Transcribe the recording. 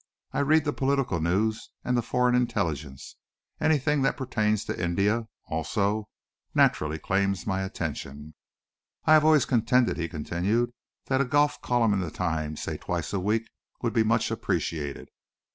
I read the political news and the foreign intelligence. Anything that pertains to India, also, naturally claims my attention. I have always contended," he continued, "that a golf column in the Times, say twice a week, would be much appreciated.